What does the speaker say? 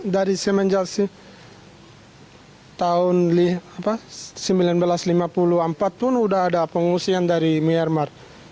dari semenjak tahun seribu sembilan ratus lima puluh empat pun sudah ada pengungsian dari myanmar